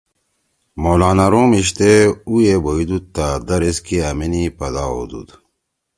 مولانا روم ایِشتے اُو ئے بیُودُود تا در ایسکے أمیِنی پدا ہؤدُود۔